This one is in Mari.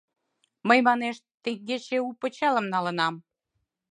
Мый, манеш, теҥгече у пычалым налынам».